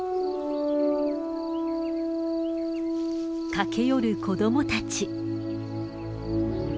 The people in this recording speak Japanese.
駆け寄る子供たち。